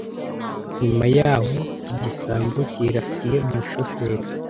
nyuma y’aho iki gisambo kirasiye umushoferi